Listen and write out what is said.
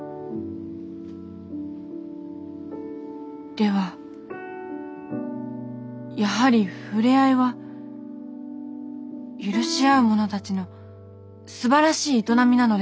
ではやはり触れ合いは許し合う者たちのすばらしい営みなのですね。